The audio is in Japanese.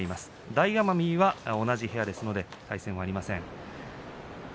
大奄美は同じ部屋ですので対戦がありません。